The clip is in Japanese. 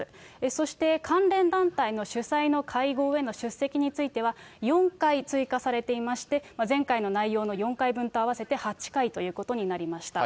そして関連団体の主催の会合への出席については、４回追加されていまして、前回の内容の４回分と合わせて８回ということになりました。